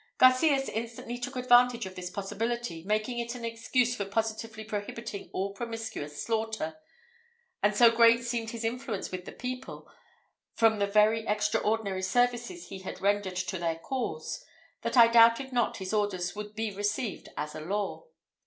Garcias instantly took advantage of this possibility, making it an excuse for positively prohibiting all promiscuous slaughter; and so great seemed his influence with the people, from the very extraordinary services he had rendered to their cause, that I doubted not his orders would be received as a law.